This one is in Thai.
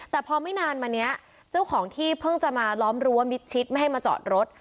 แต่พอไม่นานมานี้เจ้าของที่เพิ่งจะมาล้อมรั้วมิดชิดไม่ให้มาจอดรถ